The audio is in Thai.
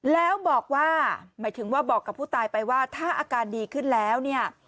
แล้วบอกว่าหมายถึงว่าบอกกับผู้ตายไปว่าถ้าอาการดีขึ้นแล้วเนี่ย